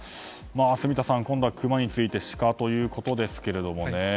住田さん、今度はクマについてシカということですけれどもね。